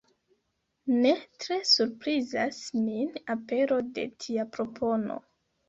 Ne tre surprizas min apero de tia propono.